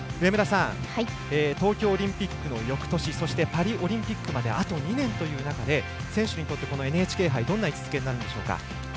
東京オリンピックのよくとしそして、パリオリンピックまであと２年という中で選手にとってＮＨＫ杯どんな位置づけになるんでしょうか？